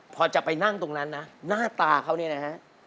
พอจะไปนั่งตรงนั้นนะหน้าตาเขาเนี่ยนะฮะ